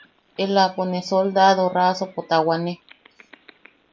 Ellaʼapo ne soldado raasopo tawane.